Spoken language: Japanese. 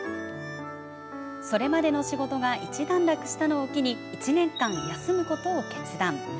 それまでの仕事が一段落したのを機に１年間、休むことを決断。